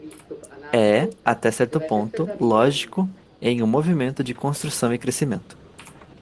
É, até certo ponto, lógico em um movimento de construção e crescimento.